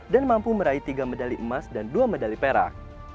dan mampu meraih tiga medali emas dan dua medali perak